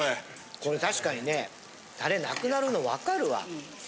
これ確かにねたれなくなるの分かるわ。